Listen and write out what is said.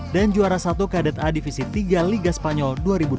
dan juara satu kdta divisi tiga liga spanyol dua ribu dua puluh tiga